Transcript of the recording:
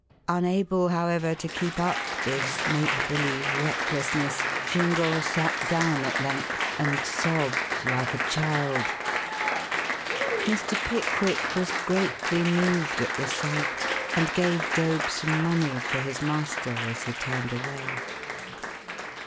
Unable, however, to keep up this make believe recklessness, Jingle sat down at length and sobbed like a child. Mr. Pickwick was greatly moved at the sight, and gave Job some money for his master as he turned away.